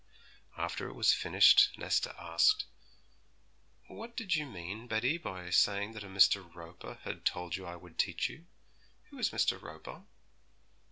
After it was finished Nesta asked, 'What did you mean, Betty, by saying that a Mr. Roper had told you I would teach you? Who is Mr. Roper?'